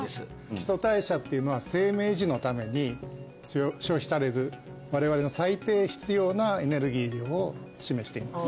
基礎代謝っていうのは生命維持のために消費される我々の最低必要なエネルギー量を示しています